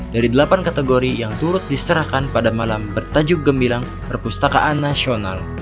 dari delapan kategori yang turut diserahkan pada malam bertajuk gemilang perpustakaan nasional